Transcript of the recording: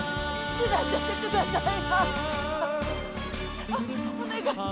死なせてください！